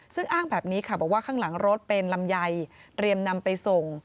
ซึ่งอ้างแบบนี้ค่ะบอกว่าข้างหลังรถเป็นลำไยเตรียมนำไปส่ง